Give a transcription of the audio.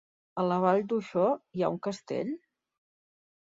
A la Vall d'Uixó hi ha un castell?